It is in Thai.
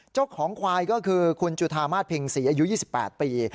เจ้าของควายก็คือคุณจุธามาสเพ็งศรีอายุ๒๘ปี